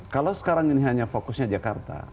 kalau sekarang ini hanya fokusnya jakarta